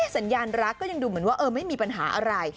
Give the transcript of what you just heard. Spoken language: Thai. สัญญาณรักก็ยังดูเหมือนว่าไม่มีปัญหาอะไร